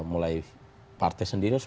mulai partai sendiri harus